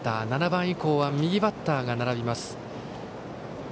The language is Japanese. ７番以降は右バッターが並びます。